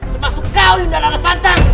termasuk kau lindana nesantang